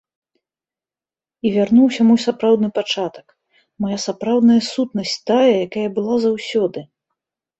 І вярнуўся мой сапраўдны пачатак, мая сапраўдная сутнасць, тая, якая была заўсёды.